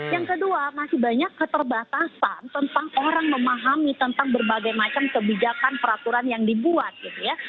yang kedua masih banyak keterbatasan tentang orang memahami tentang berbagai macam kebijakan peraturan yang dibuat gitu ya